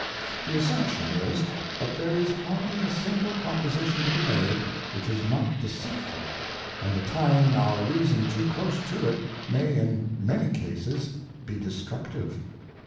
The Assertion is, that there is hardly a single Proposition to be made, which is not deceitful, and the tying our Reason too close to it, may in many Cases be destructive.